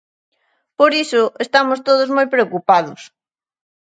Por iso, estamos todos moi preocupados.